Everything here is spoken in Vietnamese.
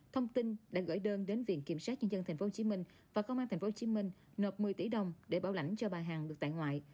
thông tin đã gửi đơn đến viện kiểm sát nhân dân tp hcm và công an tp hcm nộp một mươi tỷ đồng để bảo lãnh cho bà hằng được tại ngoại